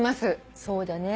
そうだね。